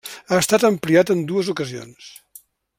Ha estat ampliat en dues ocasions.